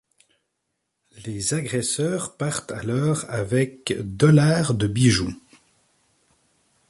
Les agresseurs partent alors avec $ de bijoux.